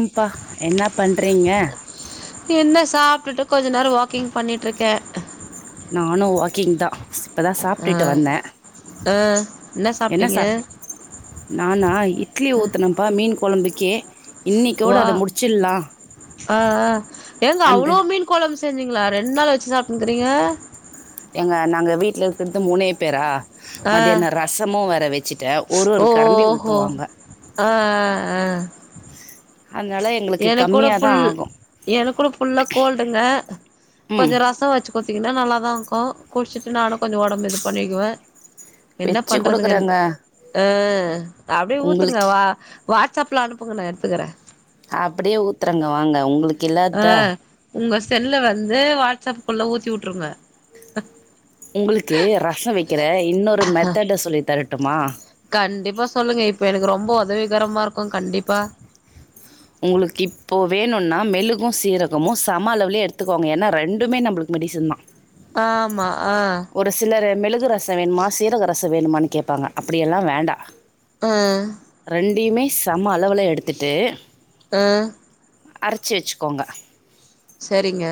ம்பா என்ன பண்றீங்க என்ன சாப்ட்டுட்டு கொஞ்ச நேர வாக்கிங் பண்ணிட்ருக்கே நானு வாக்கிங் தா இப்பதா ஆ சாப்ட்டுட்டு வந்த ஆ என்ன சாப் நானா இட்லி ஊத்துனம்ப்பா மீன் கொழம்புக்கே இன்னைக்கோட வா அத முடிச்சிட்லா அ அ எங்க அந்த அவ்ளோ மீன் கொழம்பு செஞ்சீங்ளா ரெண் நாள் வச்சு சாப்புனுக்றீங்க ஏங்க நாங்க வீட்ல இர்க்ற்து மூணே பேரா ஆ மத்யான ரசமு வேற வெச்சி ட ஒரு ஓ ஒரு கரண்டி ஓஹோ ஊத்துவாங்க ஆ ஆ அதனால எங்களுக்கு எனக் கூட கம்மியா தா ஃபுல் ஆகு எனக் கூட ஃபுல்லா கோல்டுங்க ம் கொஞ்ச ரச வச் கோத்தீங்கனா நல்லாதா இருக்கு குட்ச்சிட்டு நானு கொஞ்ச ஒடம்பு இது பண்ணிக்கிவ என்ன வெச்சு பண்றதுங்கன் குடுக்குறேங்க அ அப்டியே ஊத்துங்க உங்களுக்கு வா வாட்ஸ் அப்ல அனுப்புங்க நா எட்த்துக்குற அப்புடியே ஊத்துறங்க வாங்க உங்குளுக் அ உங்க செல்ல வந்து வாட்ஸ் அப்க்குள்ள ஊத்தி விட்ருங்க உங்குளுக்கு ரச வெக்கிற இன்னொரு மெத்தேட சொல்லி தரட்டுமா கண்டிப்பாக சொல்லுங்க இப்ப எனக்கு ரொம்ப ஒதவிகரமா இருக்கு கண்டிப்பா ஒங்ளுக் இப்போ வேணுன்னா மெளுகு சீரகமு சம அளவுல எடுத்துக்கோங்க ஏன்னா ரெண்டுமே நம்மளுக்கு மெடிசந்தா ஆமா அ ஒரு சிலர் மெளுகு ரச வேண்மா சீரக ரச வேணுமானு கேப்பாங்க அப்புடி எல்லா வேண்டா அ ரெண்டுயுமே செம அளவுல எடுத்துட்டு அ அரச்சி வெச்சிக்கோங்க சரிங்க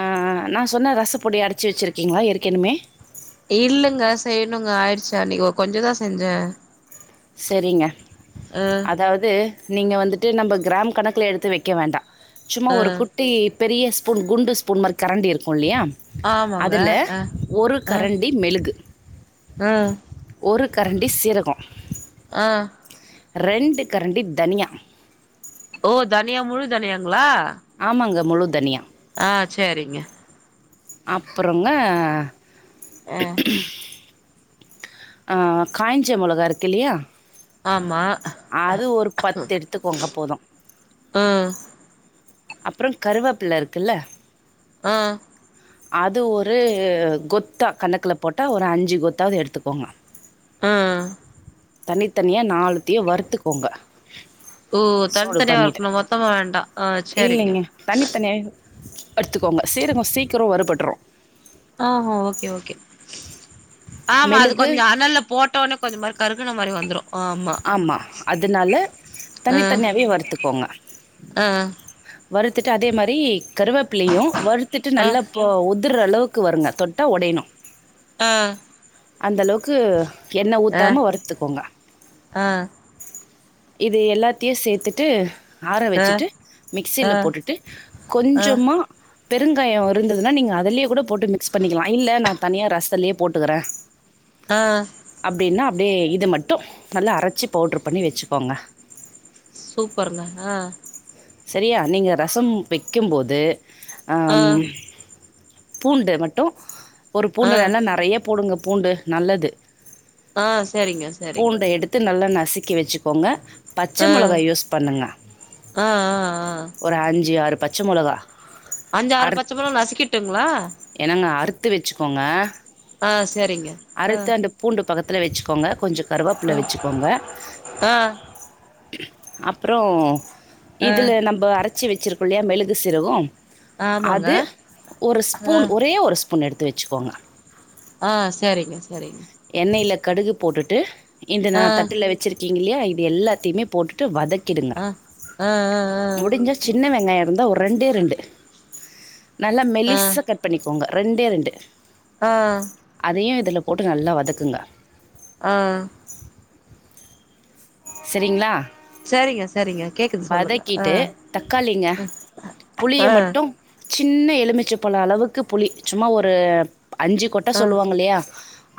அ அ நா சொன்ன ரசப்பொடி அரச்சு வெச்சுருக்கீங்ளா ஏற்கெனுமே இல்லங்க செய்யணுங்க ஆயிடுச்சா அன்னக்கு கொஞ்சந்தா செஞ்ச செரிங்க அதாவுது நீங்க வந்துட்டு நம்ப் கிராம் கணக்குல எடுத்து வெக்க வேண்டா சும்மா ஆ ஒரு குட் குட்டி பெரிய ஸ்பூன் குண்டு ஸ்பூன் மாரி கரண்டி இருக்கு இல்லியா ஆமாங்க அதுல ஆ ஒரு ஆ கரண்டி மெழுகு ஆ ஒரு கரண்டி சீரகோ ஆ ரெண்டு கரண்டி தனியா ஓ தனியா முழு தனியாங்களா ஆமாங்க முழு தனியா ஆ சேரிங்க அப்புறங்க ஆ ஆ காய்ஞ்ச மொளகா இருக்கு ல்லியா ஆமா அது ஒரு பத்து எடுத்துக்கோங்க போது ஆ அப்புறோ கருவேப்புல இருக்குல்ல ஆ அது ஒரு கொத்தா கணக்குல போட்டா ஒரு அஞ்சு கொத்தாவ்து எடுத்துக்கோங்க ஆ ஆ தனித்தனியா நாளத்தையு வறுத்துக்கோங்க ஓ தனித்தனியா வருக்கணு மொத்தமா வேண்டா ஆ சரிங்க இல்லேங்க தனித்தனியாவே எடுத்துக்கோங்க சீரகோ சீக்கிரோ வருபட்ரு ஓகே ஓகே ஆமா அது மெழுகு கொஞ்சோ அனல்ல போட் டோனே கொஞ்சமாரி கருகுன மாரி வந்துரு ஆமா அதுனால ஆ தனித் தனியாவே வரத்துக்கோங்க ஆ வறுத்துட்டு அதே மாரி கருவேப்பிளையு வறுத்துட்டு ஆ நல்ல இப்போ உதுர்ற அளவுக்கு வருங்க தொட்டா உடையணு ஆ அந்த அளவுக்கு என்ன ஆ ஊத்தாம வருத்துக்கோங்க ஆ இது எல்லாத்தையு சேத்துட்டு ஆற வச்சுட்டு மிக்சியில ஆ போட்டுட்டு ஆ ஆ கொஞ்சமா பெருங்காயோ இருந்ததுனா நீங்க அதலயே கூட போட்டு மிக்ஸ் பண்ணிக்கலா இல்ல நா தனியா ரஸ்த்துலே போட்டுக்கிறே ஆ அப்டின்னா அப்டியே இது மட்டு நல்லா அரச்சி பவுட்ரு பண்ணி வச்சுக்கோங்க சூப்பருங்க ஆ சரியா நீங்க ரசம் வெக்கும்போது ஆ அம் பூண்டு மட்டு ஒரு ஆ பூண்டு நல்லா நெறைய போடுங்க பூண்டு நல்லது ஆ சேரிங்க சேரிங் எட்த்து நல்லா நசுக்கி வச்சுக்கோங்க பச்ச ஆ மொளகா யூஸ் பண்ணுங்க ஆ ஆ ஆ ஒரு அஞ்சு ஆறு பச்ச மொளகா அஞ்சு ஆறு பச்ச மெலகா நசிக்கிட்டுங்களா என்னங்க அறுத்து வச்சுக்கோங்க ஆ செரிங்க ஆ அறுத்து அந்த பூண்டு பக்கதுல வெச்சுக்கோங்க கொஞ்சோ கருவேப்பிள வெச்சுக்கோங்க ஆ அப்ரோ ஆ இதுல நம்ம அரச்சி வெச்சிருக்கோ இல்லயா மெழுகு சீரகோ ஆமாங்க அது ஒரு ஆ ஸ்பூன் ஒரே ஒரு ஸ்பூன் எடுத்து வச்சுக்கோங்க ஆ சேரிங்க சேரிங்க எண்ணெயில கடுகு போட்டுட்டு இந்த நா ஆ தட்டுல வச்சிருக்கீங்கல்லையா இது எல்லாத்தையுமே போட்டுட்டு வதக்கிடுங்க ஆ ஆ ஆ முடிஞ்சா சின்ன வெங்காயோ இருந்தா ஒரு ரெண்டே ரெண்டு நல்லா ஆ ஆ மெலிசா கட் பண்ணிக்கோங்க ரெண்டே ரெண்டு ஆ அதயு இதுல போட்டு நல்லா வதக்குங்க ஆ சரிங்களா சரிங்க சரிங்க கேக்குது சொல்லுங்க ஆ வதக்கிட்டு தக்காளிங்க புளிய ஆ மட்டு சின்ன எலுமிச்ச பழ அளவுக்கு புளி சும்மா ஒரு அஞ்சு கொட் ட ஆ சொல்லுவாங்க இல்லையா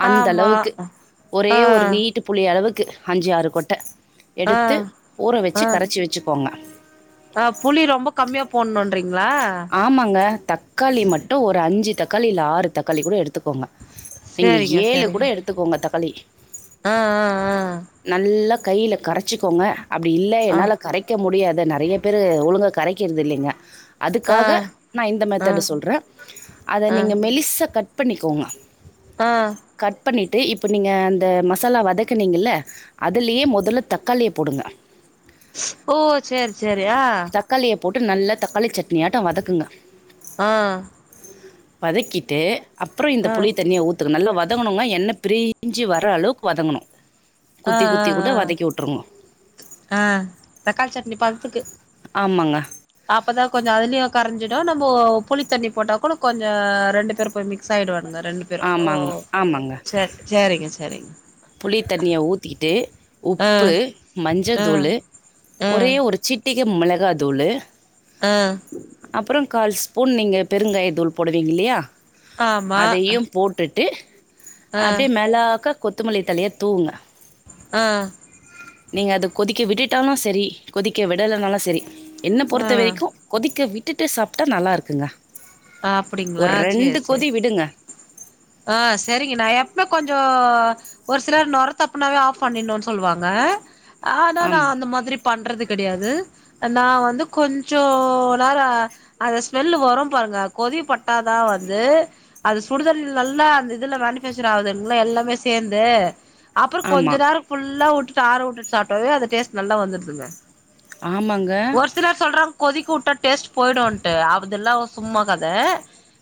அந்த ஆமா அளவுக்கு ஆ ஒரே ஒரு நீட் புளி அளவுக்கு அஞ்சு ஆறு கொட்ட ஆ எடுத்து ஊற ஆ வெச்சு கரச்சு வெச்சுக்கோங்க ஆ புளி ரொம்ப கம்மியா போடணும்றீங்களா ஆமாங்க தக் காளி மட்டு ஒரு அஞ்சு தக்காளி இல்ல ஆறு தக்காளி கூட எடுத்துக்கோங்க நீங்க சரிங்க ஏழு கூட சரிங்க எடுத்து த்துக்கோங்க தக்காளி ஆ ஆ ஆ நல்லா கைல கரச்சிக்கோங்க அப்டி இல்ல ஆ என்னால கரைக்க க்க முடியாது நெறைய பேரு ஒழுங்கா கரைக்கிறது இல்லங்க ஆ அதுக்காக நா இந்த ஆ ஆ மெத்தேடு சொல்ற அத நீங்க ஆ மெலிசா கட் பண்ணிக்கோங்க ஆ கட் பண்ணிட்டு இப்ப நீங்க அந்த மசாலா வதக்கினீங்கல்ல அதுலயே மொத் தல்ல தக்காளிய போடுங்க ஓ சேரி சேரி ஆ தக்காளிய போட்டு நல்லா தக்காளி சட்னியாட்ட வதக்குங்க ஆ வதக்கிட்டு அப்ரோ இந்த ஆ புளி தண்ணிய ஊத் நல்ல வதங்கணுங் எண்ண பிரிஞ்சு வர அளவுக்கு வதங்கணு ஆ குத்தி ஆ குத்தி கூட ஆ வதக்கி விட்ருங்க ஆ தக்காளி சட்னி பததுக்கு ஆமாங்க அப்பதா கொஞ்சோ அதுலயு கரஞ்சிடு நம்ம புளித்தண்ணி போட்டா கூட கொஞ்சோ ரெண்டு பேரு ப்ப மிக்ஸ் ஆயிடு வானுங்க ரெண்டு பேரும் ஆமாங்க ஆமாங்க புளி தண்ணிய ஊத்திட்டு ஆ உப்பு மஞ்சள் ஆ தூளு ஆ ஒரே ஒரு சிட் ட்டிக்க மிளகா தூளு ஆ அப்றோ கால் ஸ்பூன் நீங்க பெருங்காய தூள் போடுவீங்க இல்லையா ஆமா அதையும் போட்டுட்டு ஆ அப்டியே மேளாக்க கொத்தமல்லி தழைய தூவுங்க ஆ நீங்க அது கொதிக்க விட்டுட்டாலு செரி கொதிக்க விடலனாலு செரி என்ன ஆ பொறுத்த வரைக்கு கொதிக்க விட்டுட்டு சாப்பிட்டா நல்லா இருக்குங்க அப்டிங்களா ஒரு ரெண்டு சேர் சேர் கொதி விடுங்க ஆ சேரிங்க நா எப்பமே கொஞ்சோ ஒரு சிலர் நொரத்தப்புனாவே ஆஃப் பண்ணினு சொல்லுவாங்க ஆனா நா ஆம் அந்த மாதிரி பண்றது கேடையாது நா வந்து கொஞ்சோ நேரோ அந்த ஸ்மெல்லு வரு பாருங்க கொதி பட்டாதா வந்து அது சுடுதண்ணில நல்லா அந்த இதுல மேனிஃபேக்சர் ஆகுதுல்லாங்க எல்லாமே சேந்து அப்றோ கொஞ்ச ஆமாம் நேரோ ஃபுல்லா உட்டுட்டு ஆற உட்டுட்டு சாப்ட்டவே அது டேஸ்ட் நல்லா வந்துருதுங்க ஆமாங்க ஒரு சிலர் சொல்றாங்க கொதிக்க உட்டா டேஸ்ட் போயிடுன்ட்டு அதுல்ல சும்மா கத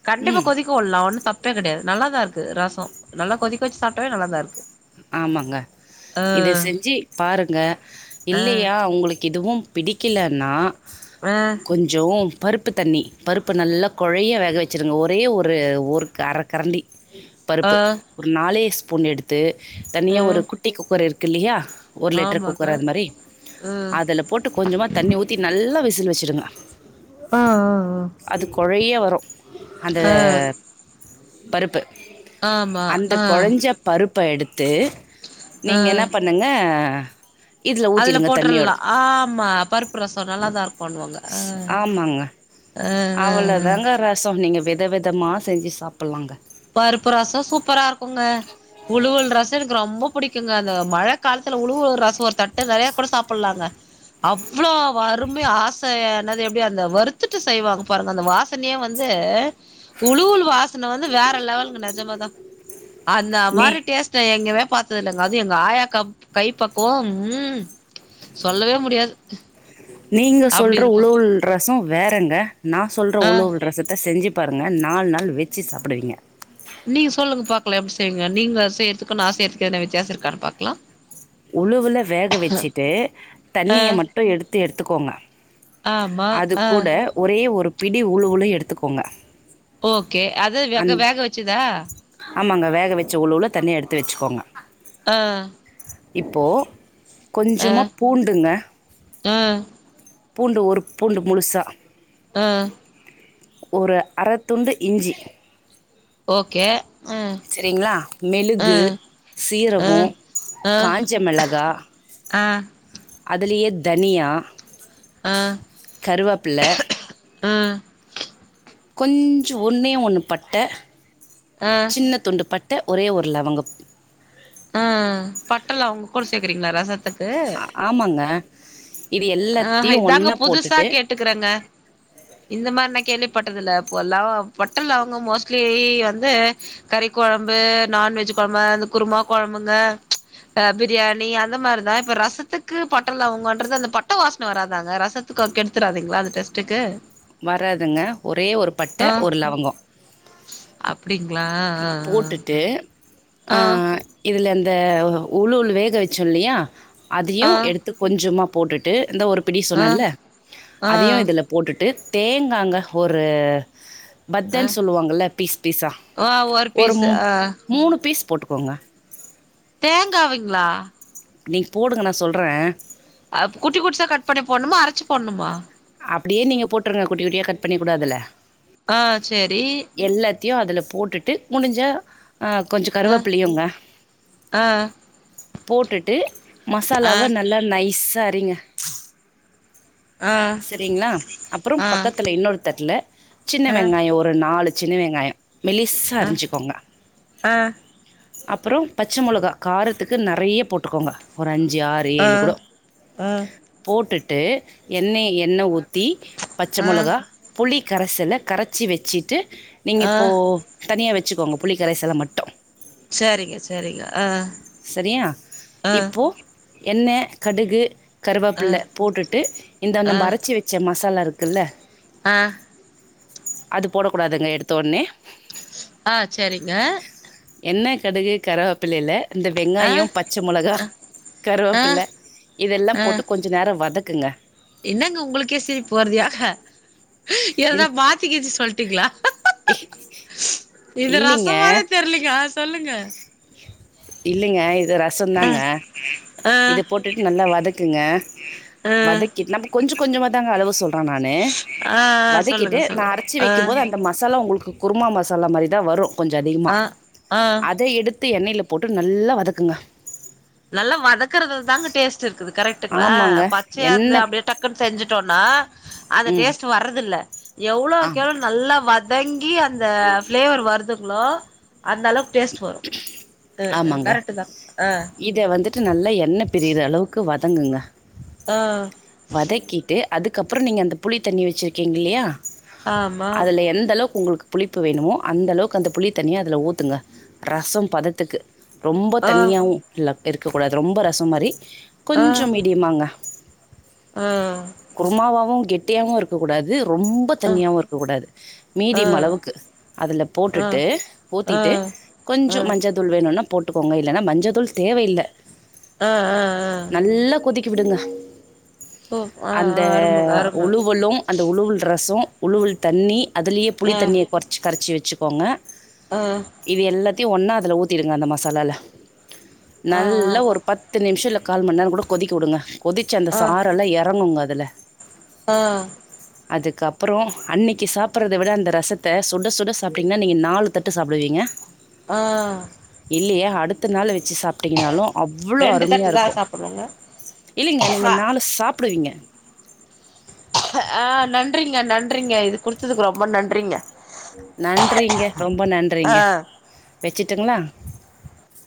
கண்டிப்பா ம் கொதிக் க உல்லா ஒன்னு தப்பே கிடையாது நல்லாதாருக்கு ரசோ நல்லா கொதிக்க வெச்சு சாப்பிட்டவே நல்லாதா இருக்கு ஆமாங்க இத ஆ செஞ்சு பாருங்க ஆ இல்லையா உங்களுக்கு இதுவும் பிடிக்கிலன்னா ஆ கொஞ்சோ பருப்பு தண்ணி பருப்பு நல்லா குழைய வேக வெச்சுருங்க ஒரே ஒரு ஒர் அரக்கரண்டி பருப்பு ஆ ஒரு நாலே ஸ்பூன் எடுத்து ஆ தனியா ஒரு குட்டி குக்கர் இருக்கு இல்லையா ஒரு லிட்டரு குக்கர் ஆமாக்கா அது மாரி ம் அதுல போட்டு கொஞ்சமா தண்ணி ஊத்தி நல்லா விசில் வெச்சிடுங்க ஆ ஆ ஆ அது குழைய வரு அந்த ஆ பருப்பு ஆமா அந்த ஆ குழஞ்ச பருப்ப எடுத்து ஆ நீங்க என்ன பண்ணுங்க இதுல அதுல ஊத்திடுங்க தண்ணியோட போட்ரலா ஆமா பருப்பு ரசோ நல்லாதா இருக்கோண்ணுவாங்க அ ஆமாங்க அ அ அவ்வளோதாங்க அ ரசம் நீங்க வித விதமா செஞ்சு சாப்பலாங்க பருப்பு ரசோ சூப்பரா இருக்குங்க உழுவல் ரசோ எனக்கு ரொம்ப புடிக்குங்க அந்த மழ காலத்துல உழவு ரசோ ஒரு தட்டு நெறைய கூட சாப்பட்லாங்க அவ்ளோ வறுமையா ஆச என்னது எப்டி அந்த வறுத்துட்டு செய்வாங்க பாருங்க அந்த வாச னையே வந்து உளுவுல் வாசன வந்து வேற லெவல்ங்க நெஜமா தா அந்த நீ மாதிரி டேஸ் ட எங்கயுமே பாத்தது இல்லங்க அது எங்க ஆயா கை பக்குவோ ம் சொல்லவே முடியாது அப்டி இருக்கு ரசோ வேறங்க நா சொல்ற ஆ உலவல் ரசத்த செஞ்சு பாருங்க நாலு நாள் வெச்சு சாப்புடுவீங்க நீங்க சொல்லுங்க பாக்கலா எப்டி செய்விங்க நீங்க செய்றதுக்கோ நா செய்யறதுக்கோ எதனா வித்தியாசோ இருக்கானு பாக்லா உழுவுல வேக வெச்சுட்டு ஆ தண்ணிய மட்டு எடுத்து எடுத்துக்கோங்க ஆமா ஆ அதுகூட ஒரே ஒரு பிடி உழுவுலு எடுத்துக்கோங்க ஓகே அது வேக அந் வேக வெச்சுதா ஆமாங்க வேக வெச்ச உழுவுல தனியா எடுத்து வெச்சுக்கோங்க ஆ இப்போ கொஞ்சமா பூண்டுங்க ஆ பூண்டு ஒரு பூண்டு முழுசா ஆ ஒரு அறத்துண்டு இஞ்சி ஓகே செரிங்களா மெழுகு சீரகோ காஞ்ச மிளகா ஆ அதுலயே தனியா கருவேப்பில கொஞ்ச ஒன்னே ஒன்னு பட்ட ஆ சின்ன துண்டு பட்ட ஒரே ஒரு லவங்கம் ஆ பட்ட லவங்க கூட சேக்குறீங்களா ரசத்துக்கு ஆ- ஆமாங்க இது எல்லாத்தையு ஒன்னா போட்டுட்டு ட்டுக்குறேங்க இந்த மாரி நா கேள்விப்பட்டதுல்ல போ ல பட்ட லவங்கம் மோஸ்ட்லி வந்து கறி கொழம்பு நான்வெஜ் கொழம்பு அந்த குருமா கொழம்புங்க அ பிரியாணி அந்த மாரிதா இப்ப ரசத்துக்கு பட்ட லவங்கன்றது அந்த ப ட்ட வாசன வராதாங்க ரசத்துக்கு எடுத்துராதீங்களா அந்த டெஸ்ட்டுக்கு வராதுங்க ஒரே ஒரு பட்ட ஒரு லவங்கொ அப்டிங்ளா போட்டுட்டு ஆ இதுல அந்த உளுவுள் வேக வெச்சொ இல்லையா அதையு ஆ எடுத் து கொஞ்சமா போட்டுட்டு இந்த ஒரு பிடி ஆ சொன்னேல ஆ அதையு இதுல போட்டுட்டு தேங்காங்க ஒரு ஆ ஆ பத்தன்னு சொல்லுவாங்கள்ல பீஸ் பீஸா ஆ ஒ ஒரு மூ மூணு பீஸ் போட்டுக்கோங்க தேங்காவைங்ளா நீங் போடுங்க நா சொல்றே அ குட்டி குட்டியா கட் பண்ணி போட்ணுமா அரச்சு போட்ணுமா அப்டியே நீங்க போட்ருங்க குட்டி குட்டியா கட் பண்ணிக் கூட அதுல ஆ சரி எல்லாத்தையு அதுல போட்டுட்டு முடிஞ்ச அ கொஞ்ச ஆ கருவேப்பிள்ளயுங்க ஆ போட்டுட்டு ஆ மசாலாவ நல்லா நைஸா அறிங்க ஆ சரிங்களா அப்புறோ ஆ பக்கத்துல இன்னொரு தட்டுல சின்ன ஆ வெங்காயொ ஒரு நாலு சின்ன வெங்காயொ மெலிசா ஆ அரிஞ்சுக்கோங்க ஆ அப்புறோ பச்ச மொளகா காரத்துக்கு நறைய போட்டுக்கோங்க ஒரு அஞ்சு ஆறு ஆ ஏழு கூட ஆ போட்டுட்டு எண்ணெய் எண்ண ஊத்தி பச்ச ஆ மொளகா புளி கரசல கரச்சி வெச்சிட்டு நீங்க ஆ இப்போ தனியா வெச்சுக்கோங்க புளி கரச்சத மட்டு சரிங்க சரிங்க ஆ சரியா ஆ இப்போ எண்ண கடுகு ஆ கருவேப்பில்ல போட்டுட்டு இந்த ஆ நம்ம அரச்சு வெச்ச மசாலா இருக்குல்ல ஆ அது போட கூடாதுங்க எடுத்த உட்னே ஆ சரிங்க எண்ண கடுகு கருவேப்பிள்லையில இந்த ஆ வெங்காயொ பச்ச மொளகா ஆ ஆ கருவேப்பிள்ள இதெல்லா போட்டு கொஞ் ச நேர வதக்குங்க என்னங்க உங்களுக்கே சரிப்பு வருதுயா இல் ஏதா மாத்தி கீத்தி சொல்ட்டீங்களா இது ரச இல்லைங்க மாரே தெரிலங்க சொல்லுங்க இல்லைங்க இது ரசொ ஆ தாங்க ஆ இத போட்டுட்டு நல்லா வதக்குங்க வதக்கிட்டு நம்ம கொஞ்சொ கொஞ்சொமா தாங்க அளவு சொல்றா நானு ஆ ஆ வதக்கிட்டு சொல்லுங்க நா சொல்லுங்க அரச்சு வைக்கும் போது அந்த ம மாலா உங்களுக்கு குருமா சாலா உங்களுக்கு குருமா மசாலா மாரி தா வரு கொஞ்ச அதிகமா ஆ ஆ ஆ அத எடுத்து எண்ணைல போட்டு நல்லா வதக்குங்க நல்லா வதக்கறது தாங்க டேஸ்ட் இருக்குது கரெட்டுங்களா ஆமாங்க பச்சையாந்து எண்ணெ அப்டியேட டக் செஞ்சுசோனா அந்த ம் டேஸ்ட் வரதில்ல எவ்ளோக் ஆமா எவ்ளோ நல்லா வத ங்கி அந்த பிளேவர் வருதுங்களோ அந்த அளவு டேஸ்ட் வரு ஆ ஆமாங்க கரெக்டு தா ஆ இத வந்துட்டு நல்லா என்ன பிறியற அளவுக்கு வதங்குங்க ஆ வதக்கிட்டு அதுக்கப்புறோ நீங்க அந்த புளி தண்ணி வெச்சிருக்கீங்க இல்லயா ஆமா அதுல எந்த அளவுக்கு உங்ளுக்கு புளிப்பு வேணுமோ அந்த அளவுக்கு அந்த புளி தண்ணிய அதுல ஊத்துங்க ரசம் பதத்துக்கு ரொம்ப ஆ தண்ணியாவு இல்ல இருக்க கூடாது ரொம்ப ரசம் மாரி ஆ கொஞ்சம் ஆ மீடியமாங்க குருமாவாவு கெட்டியாவு இருக்க கூடாது ரொம்ப அ தண்ணியாவு இருக்க கூடாது ஆ ஆ மீடியம் அளவுக்கு அதுல ஆ போட்டுட்டு ஆ ஊத்திட்டு கொஞ்ச மஞ்சதூள் வேணுனா போட்டுக்கோங்க இல்லன்னா மஞ்ச தூள் தேவையில்ல ஆஆ ஆ நல்லா கொதிக்கி விடுங்க சூப் ஆ அந்த ஆ அருமங்க அரும உழுவலு அந்த உழுவுல் ரசோ உழுவுல் தண்ணி அதுலேயே புளி ஆ தண்ணிய குறச்சி கரச்சி வெச்சுக்கோங்க ஆ இது எல்லாத்தையு ஒன்னா அதுல ஊத்திடுங்க அந்த மசாலால ஆ ஆ நல்லா ஒரு பத்து நிமிஷ இல்ல கால்மண்நேரோ கூட கொதிக்க விடுங்க கொதிச்சி அந்த சாரெல்லா இறங்குங் அதுல ஆ அதுக்கப்பறோ அன்னைக்கி சாப்படறத விட அந்த ரசத்தை சுட சுட சாப்ட்டீங்கனா நீங்கள் நாலு தட்டு சாப்டுவீங்க ஆ இல்லியா அடுத்த நாள் வெச்சி சாப் டீங்கனாலு அவ்ளோ ரெண்டு அருமையா தட்டு இருக்கு தான் சாப்பிடுவோங்க இல்லீங்க நீங்க நாலு சாப்டுவீங்க ஆ நன்றிங்க நன்றிங்க இது குடுத்ததுக்கு ரொம்ப நன்றிங்க நன்றிங்க ரொம்ப ஆ நன்றிங்க வெச்சுட்டுங்களா